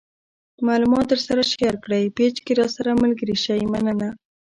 معلومات د درسره شیر کړئ پیج کې هم راسره ملګري شئ مننه